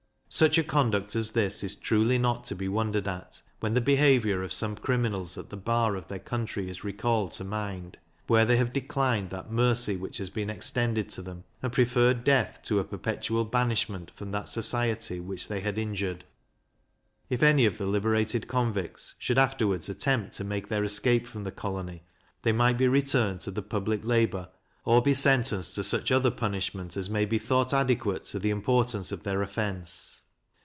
Such a conduct as this is truly not to be wondered at, when the behaviour of some criminals at the bar of their country is recalled to mind, where they have declined that mercy which has been extended to them, and preferred death to a perpetual banishment from that society which they had injured. If any of the liberated convicts should afterwards attempt to make their escape from the colony, they might be returned to the public labour, or be sentenced to such other punishment as may be thought adequate to the importance of their offence.